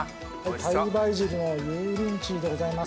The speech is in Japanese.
タイバジルの油淋鶏でございます。